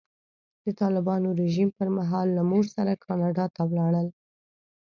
د طالبانو رژیم پر مهال له مور سره کاناډا ته ولاړل.